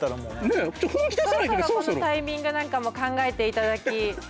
ねえそろそろこのタイミングなんかも考えていただき。